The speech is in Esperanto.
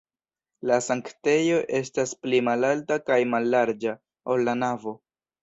La sanktejo estas pli malalta kaj mallarĝa, ol la navo.